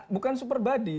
bukan super body